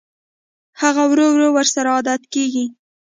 هغه ورو ورو ورسره عادت کېږي